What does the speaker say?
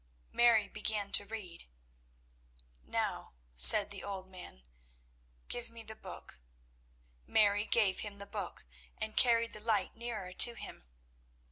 Mary began to read. "Now," said the old man, "give me the book." Mary gave him the book, and carried the light nearer to him.